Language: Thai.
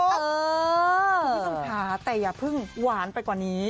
ไม่ต้องท้าแต่อย่าพึ่งหวานไปกว่านี้